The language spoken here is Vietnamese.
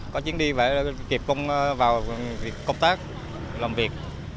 có chuyến đi phải kịp công vào công tác làm việc